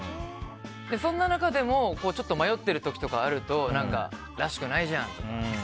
そんな中でも迷ってる時とかあるとらしくないじゃんとか。